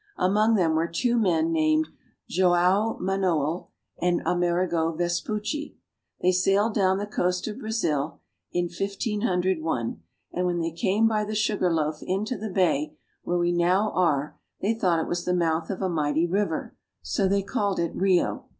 Among them were two men named Joao Manoel and Amerigo Vespucci. They sailed down the coast of Brazil in 1 501, and when they came by the sugar loaf into the bay where we now are they thought it was the mouth of a mighty river, so they called it Rio.